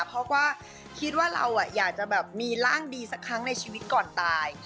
เพราะว่าคิดว่าเราอยากจะแบบมีร่างดีสักครั้งในชีวิตก่อนตาย